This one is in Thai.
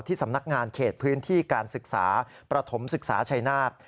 สำนักงานเขตพื้นที่การศึกษาประถมศึกษาชัยนาธ